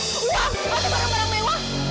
masa barang barang mewah